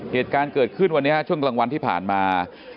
เหตุการณ์เกิดขึ้นวันนี้ช่วงกลางวันที่ผ่านมา